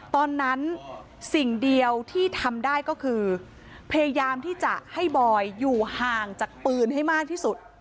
ตอนนั้นสิ่งเดียวที่ทำได้ก็คือพยายามที่จะให้บอยอยู่ห่างจากปืนให้มากที่สุด